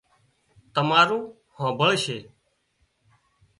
تمارون هانمڀۯشي